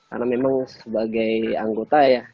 karena memang sebagai anggota ya